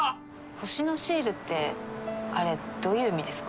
星のシールってあれどういう意味ですか？